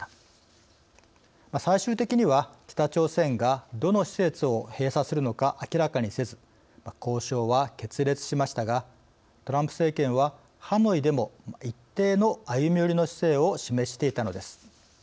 最終的には北朝鮮がどの施設を閉鎖するのか明らかにせず交渉は決裂しましたがトランプ政権はハノイでも一定の歩み寄りの姿勢を示していたのです。